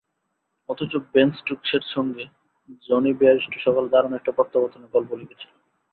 অথচ বেন স্টোকসের সঙ্গে জনি বেয়ারস্টো সকালে দারুণ একটা প্রত্যাবর্তনের গল্প লিখছিলেন।